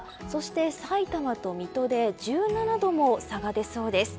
さいたまと水戸で１７度も差が出そうです。